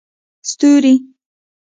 ستوري